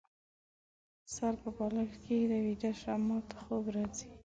سر په بالښت کيږده ، ويده شه ، ماته خوب راځي